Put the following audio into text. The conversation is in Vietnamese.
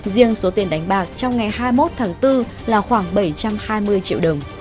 riêng số tiền đánh bạc trong ngày hai mươi một tháng bốn là khoảng bảy trăm hai mươi triệu đồng